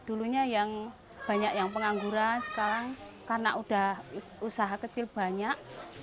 dulunya yang banyak yang pengangguran sekarang karena udah usaha kecil banyak